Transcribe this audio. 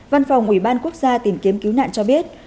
văn phòng ủy ban quốc gia tìm kiếm cứu nạn cho biết